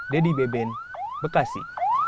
dedy beben bekasi